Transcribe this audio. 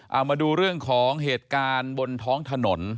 เอามาดูเรื่องของเหตุการณ์บนท้องถนน